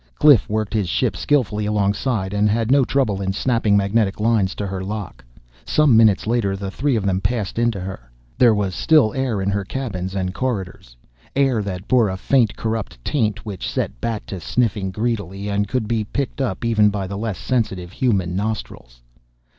Cliff worked his ship skillfully alongside and had no trouble in snapping magnetic lines to her lock. Some minutes later the three of them passed into her. There was still air in her cabins and corridors. Air that bore a faint corrupt taint which set Bat to sniffing greedily and could be picked up even by the less sensitive human nostrils.